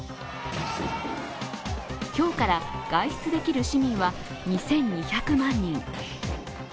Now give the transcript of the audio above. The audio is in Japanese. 今日から外出できる市民は２２００万人。